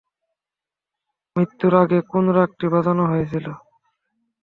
মৃত্যুর আগে কোন রাগটি বাজানো হয়েছিল?